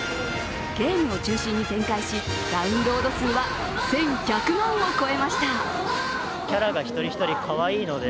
ゲームを中心に展開し、ダウンロード数は１１００万を超えました。